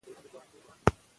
قشقایي بازار ته داخل شو.